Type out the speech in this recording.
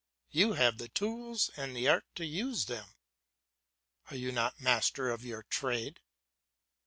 You have the tools and the art to use them; are you not master of your trade?